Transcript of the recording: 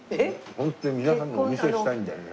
皆さんにお見せしたいんだよね。